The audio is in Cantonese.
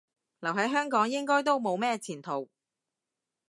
留喺香港應該都冇咩前途